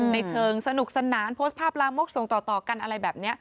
ในเชิงสนุกสนานโพสต์ภาพลามกส่งต่อกันอะไรแบบนี้